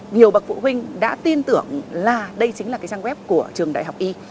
nhiều bậc phụ huynh đã tin tưởng là đây chính là cái trang web của trường đại học y